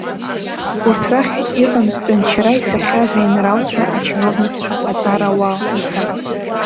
Урҭ рахь иҟан тәанчара ицахьаз аинралцәа, ачиновникцәа, аҵарауаа уҳәа.